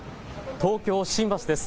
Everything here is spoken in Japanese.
東京新橋です。